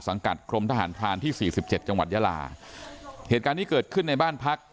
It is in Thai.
กรมทหารพรานที่สี่สิบเจ็ดจังหวัดยาลาเหตุการณ์นี้เกิดขึ้นในบ้านพัก